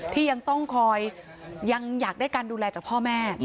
ที่ยังต้องคอยยังอยากได้การดูแลจากพ่อแม่